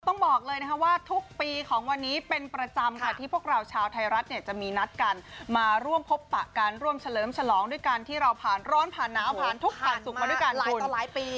ต้องบอกเลยนะคะว่าทุกปีของวันนี้เป็นประจำค่ะที่พวกเราชาวไทยรัฐเนี่ยจะมีนัดกันมาร่วมพบปะการร่วมเฉลิมฉลองด้วยกันที่เราผ่านร้อนผ่านหนาวผ่านทุกข์ผ่านสุขมาด้วยกันหลายต่อหลายปี